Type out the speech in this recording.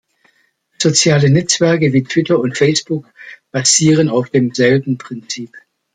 Soziale Netzwerke wie Twitter und Facebook basieren auf demselben Prinzip.